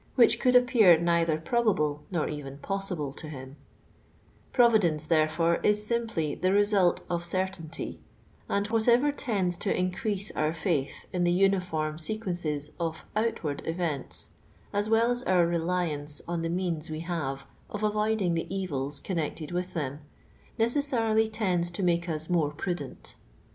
which could appear neither probabli* nor even possible to him ■ Pro vidcnco, therefore, is simply the result of cerLiinty, and whatever tends to increase our faith in the uniform sequencer of outward events, as well as our reliance on the means we have of avoidinof the e\iU connected with them, necessarily tends to make \\% more prudent.